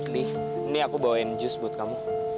nih ini aku bawain jus buat kamu